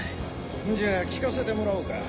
んじゃあ聞かせてもらおうか。